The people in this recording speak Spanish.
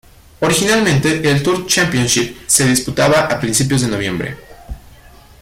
Originalmente, el Tour Championship se disputaba a principios de noviembre.